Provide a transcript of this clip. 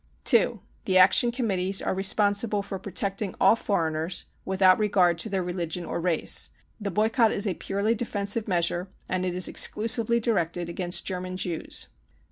(2) The Action Committees are responsible for protect ing all foreigners without regard to their religion or race. The boycott is a purely defensive measure, and it is exclu sively directed against German Jews.